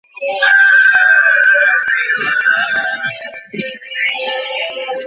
নেহায়েত home ডিপার্টমেন্টের চিঠি আছে বলে কিছু বলি নি।